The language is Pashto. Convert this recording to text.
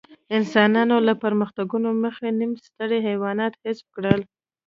انسانانو له پرمختګونو مخکې نیم ستر حیوانات حذف کړل.